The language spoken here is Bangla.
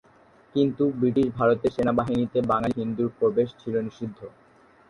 কিন্তু ব্রিটিশ ভারতের সেনাবাহিনীতে বাঙালি হিন্দুর প্রবেশ ছিল নিষিদ্ধ।